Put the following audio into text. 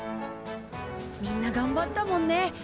みんながんばったもんね。